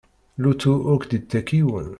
Lutu ur k-d-ittak yiwen.